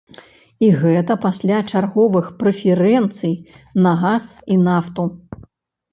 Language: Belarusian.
І гэта пасля чарговых прэферэнцый на газ і нафту!